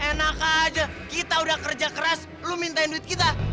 enak aja kita udah kerja keras lu mintain duit kita